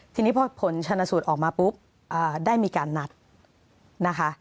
ทีนี้พอผลชนสูตรออกมาปุ๊บได้มีการนัดนะคะ